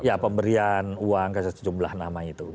ya pemberian uang ke sejumlah nama itu